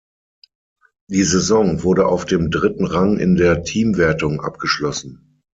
Die Saison wurde auf dem dritten Rang in der Teamwertung abgeschlossen.